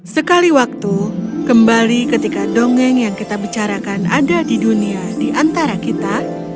sekali waktu kembali ketika dongeng yang kita bicarakan ada di dunia di antara kita